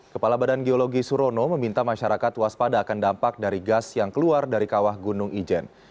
kepala badan geologi surono meminta masyarakat waspada akan dampak dari gas yang keluar dari kawah gunung ijen